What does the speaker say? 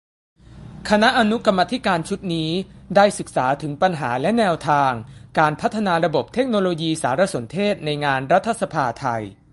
คณะอนุกรรมาธิการชุดนี้ ได้ศึกษาถึงปัญหา และ แนวทางการพัฒนาระบบเทคโนโลยีสารสนเทศในงานรัฐสภาไทย